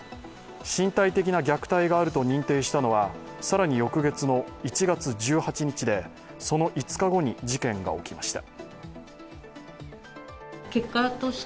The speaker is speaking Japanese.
身体的な虐待があると認定したのは、更に翌月の１月１８日でその５日後に事件が起きました。